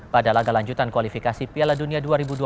pada laga lanjutan kualifikasi piala dunia dua ribu dua puluh